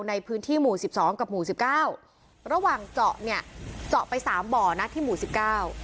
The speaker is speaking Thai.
ในพื้นที่หมู่สิบสองกับหมู่สิบเก้าระหว่างเจาะเนี่ยเจาะไปสามบ่อนะที่หมู่สิบเก้า